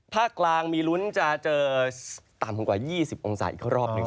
ภาคกลางมีลุ้นจะเจอต่ำกว่า๒๐องศาอีกรอบหนึ่ง